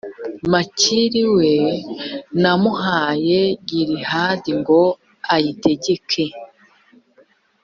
makiri, we namuhaye gilihadi ngo ayitegeke.